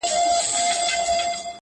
دیدن په لک روپۍ ارزان دی-